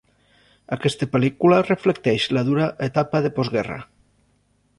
Aquesta pel·lícula reflecteix la dura etapa de postguerra.